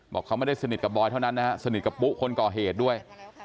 บอกเขาไม่ได้สนิทกับบอยเท่านั้นนะฮะสนิทกับปุ๊คนก่อเหตุด้วย